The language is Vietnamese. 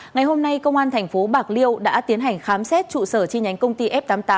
ngày hôm nay công an thành phố bạc liêu đã tiến hành khám xét trụ sở chi nhánh công ty f tám mươi tám